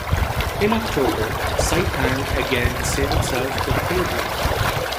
In October, "Saipan" again sailed south to the Caribbean.